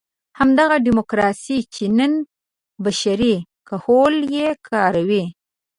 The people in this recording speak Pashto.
همدغه ډیموکراسي چې نن بشري کهول یې کاروي.